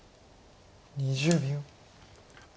２０秒。